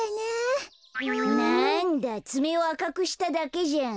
なんだつめをあかくしただけじゃん。